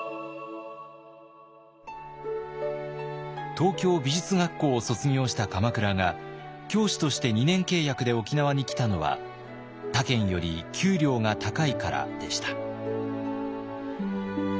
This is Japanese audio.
東京美術学校を卒業した鎌倉が教師として２年契約で沖縄に来たのは他県より給料が高いからでした。